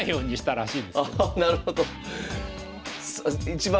ああなるほど。